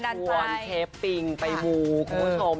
ชวนเชฟปิงไปมูคุณผู้ชม